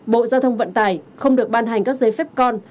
bộ giao thông vận tải không được ban hành các giấy phép con